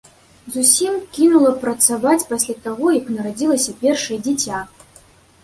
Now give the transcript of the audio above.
Зусім кінула працаваць пасля таго, як нарадзілася першае дзіця.